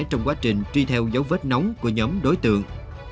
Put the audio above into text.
trong quá trình truy theo dấu vết nóng của nhóm đối tượng